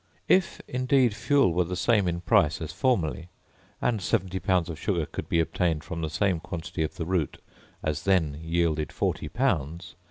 If indeed fuel were the same in price as formerly, and 70 lbs. of sugar could be obtained from the same quantity of the root as then yielded 40 lbs.